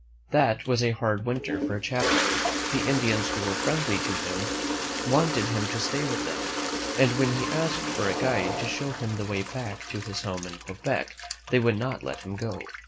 That was a hard winter for Champlain. The Indians who were friendly to him wanted him to stay with them, and when he asked for a guide to show him the way back to his home in Quebec, they would not let him go.